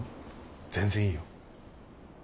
全然いいよ。